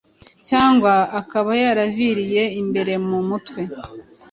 cyangwa akaba yaraviriye imbere mu mutwe.